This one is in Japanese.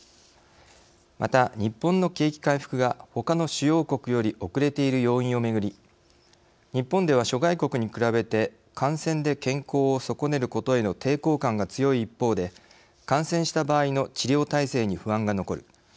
また、日本の景気回復がほかの主要国より遅れている要因をめぐり日本では諸外国に比べて感染で健康を損ねることへの抵抗感が強い一方で感染した場合の治療体制に不安が残る。